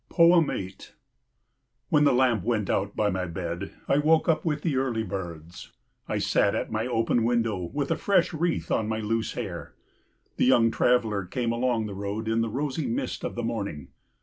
8 When the lamp went out by my bed I woke up with the early birds. I sat at my open window with a fresh wreath on my loose hair. The young traveller came along the road in the rosy mist of the morning.